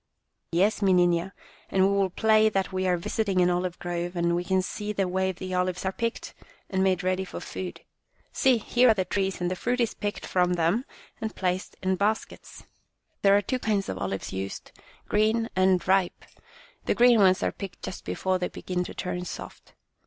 "Yes, mi nina, and we will play that we are visiting an olive grove, and we can see the way the olives are picked and made ready for food. See, here are the trees, and the fruit is picked from them and placed in baskets. 8o Our Little Spanish Cousin There are two kinds of olives used, green and ripe, the green ones are picked just before they begin to turn soft.